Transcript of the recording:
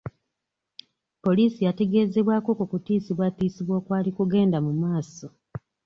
Poliisi yategeezebwako ku kutiisibwatiisibwa okwali kugenda mu maaso.